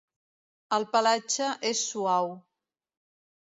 El pelatge és suau.